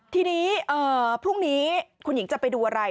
ทีนี้พรุ่งนี้คุณหญิงจะไปดูอะไร